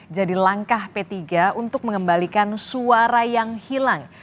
jadi langkah p tiga untuk mengembalikan suara yang hilang